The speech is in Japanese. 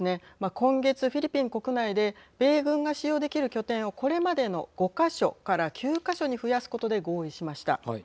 今月フィリピン国内で米軍が使用できる拠点をこれまでの５か所から９か所に増やすことで合意しました。